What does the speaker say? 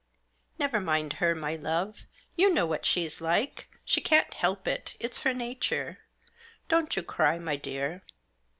" Never mind her, my love ; you know what she's like ; she can't help it, it's her nature. Don't you cry, my dear."